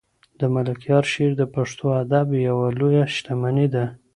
د ملکیار شعر د پښتو ادب یوه لویه شتمني ده.